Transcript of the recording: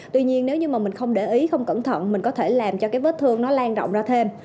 tuy nhiên nếu như mà mình không để ý không cẩn thận mình có thể làm cho cái vết thương nó lan rộng ra thêm